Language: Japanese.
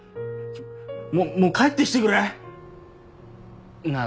もうもう帰ってきてくれ！なぁ